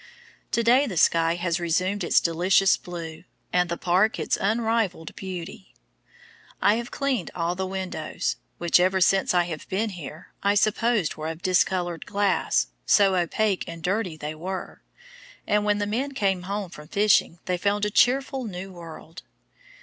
To day the sky has resumed its delicious blue, and the park its unrivalled beauty. I have cleaned all the windows, which, ever since I have been here, I supposed were of discolored glass, so opaque and dirty they were; and when the men came home from fishing they found a cheerful new world.